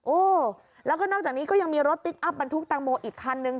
โอ้แล้วก็นอกจากนี้ก็ยังมีรถพลิกอัพบรรทุกตังโมอีกคันนึง